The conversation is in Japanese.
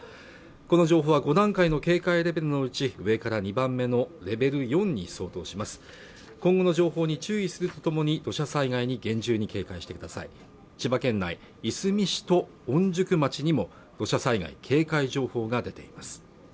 この情報は５段階の警戒レベルのうち上から２番目のレベル４に相当します今後の情報に注意するとともに土砂災害に厳重に警戒してください千葉県内いすみ市と御宿町にも土砂災害警戒情報が出ています